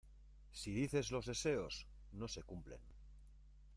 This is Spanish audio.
si dices los deseos, no se cumplen.